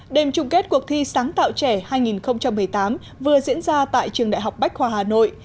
đêm chung kết cuộc thi sáng tạo trẻ hai nghìn một mươi tám vừa diễn ra tại trường đại học bách khoa hà nội